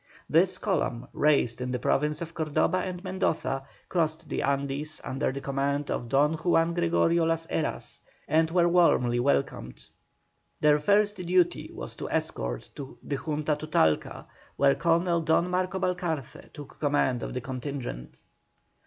This column, raised in the provinces of Cordoba and Mendoza, crossed the Andes under the command of DON JUAN GREGORIO LAS HERAS, and were warmly welcomed. Their first duty was to escort the Junta to Talca, where Colonel Don Marcos Balcarce took command of the contingent.